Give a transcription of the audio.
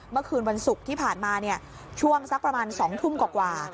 เมื่อคืนวันศุกร์ที่ผ่านมาช่วงสักประมาณ๒ทุ่มกว่า